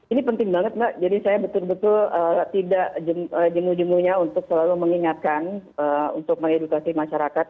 ini penting banget mbak jadi saya betul betul tidak jenuh jemuhnya untuk selalu mengingatkan untuk mengedukasi masyarakat